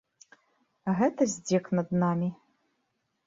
Гэта здзек над намі.